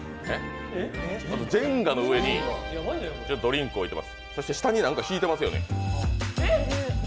ジェンガの上にドリンクを置きます、そして下に何か敷いていますよね。